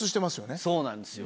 そうなんですよ。